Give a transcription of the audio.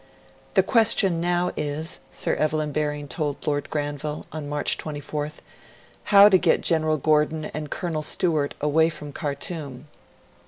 'The question now is,' Sir Evelyn Baring told Lord Granville, on March 24th, 'how to get General Gordon and Colonel Stewart away from Khartoum.'